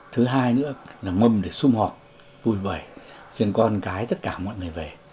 thứ hai nữa là mâm để xung họp vui vẻ phiền con cái tất cả mọi người về